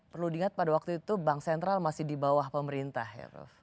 perlu diingat pada waktu itu bank sentral masih di bawah pemerintah ya prof